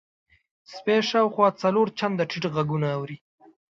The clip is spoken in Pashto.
سپی شاوخوا څلور چنده ټیټ غږونه اوري.